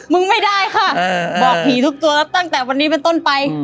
ไม่ได้ค่ะบอกผีทุกตัวแล้วตั้งแต่วันนี้เป็นต้นไป